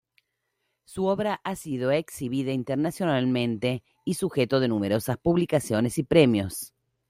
Su obra ha sido exhibida internacionalmente y sujeto de numerosas publicaciones y premios.